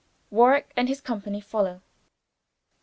Warwicke and his companie followes.